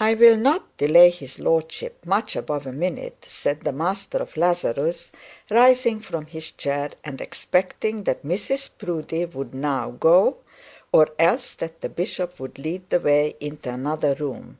'I will not delay his lordship much above a minute,' said the master of Lazarus, rising from his chair, and expecting that Mrs Proudie would now go, or else that the bishop would lead the way into another room.